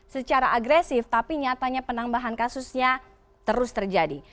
secara agresif tapi nyatanya penambahan kasusnya terus terjadi